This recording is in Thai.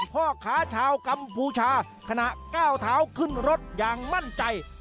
พ่อค้าชาวกัมพูชาขณะก้าวเท้าขึ้นรถอย่างมั่นใจ